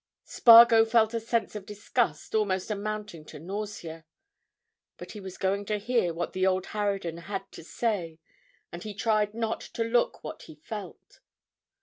Spargo felt a sense of disgust almost amounting to nausea, but he was going to hear what the old harridan had to say and he tried not to look what he felt.